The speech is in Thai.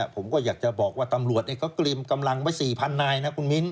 ผมก็อยากจะบอกว่าตำรวจก็เตรียมกำลังไว้๔๐๐นายนะคุณมิ้น